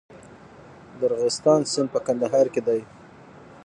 د ارغستان سیند په کندهار کې دی